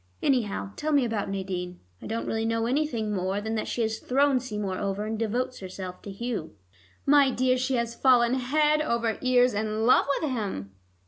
Anyhow, tell me about Nadine. I don't really know anything more than that she has thrown Seymour over, and devotes herself to Hugh." "My dear, she has fallen head over ears in love with him."